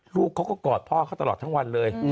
ลูกเขาก็กอดพ่อเขาตลอดทั้งวันเลย